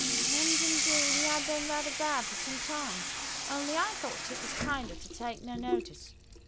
And indeed he had been rather bad for some time, only I thought it was kinder to take no notice.